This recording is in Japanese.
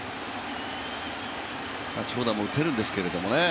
長打も打てるんですけれどもね。